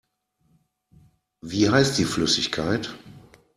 Wie heißt die Flüssigkeit?